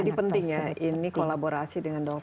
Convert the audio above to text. jadi penting ya ini kolaborasi dengan dokter